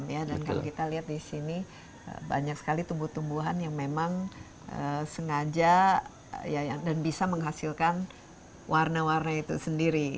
dan kalau kita lihat disini banyak sekali tumbuh tumbuhan yang memang sengaja dan bisa menghasilkan warna warna itu sendiri